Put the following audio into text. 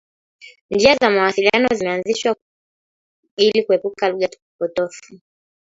Njia za mawasiliano zimeanzishwa ili kuepuka lugha potofu.